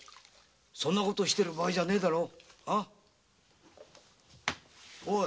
そんな事してる場合じゃねぇだろ。